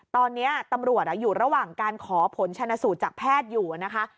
ตอนนี้ตำรวจอยู่ระหว่างการขอผลชนสูตรจากแพทย์อยู่นะคะ